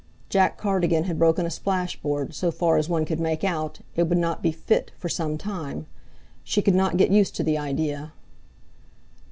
Jack Cardigan had broken a splashboard, so far as one could make out, and would not be "fit" for some time. She could not get used to the idea.